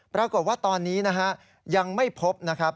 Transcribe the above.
ปรากฏว่าตอนนี้ยังไม่พบ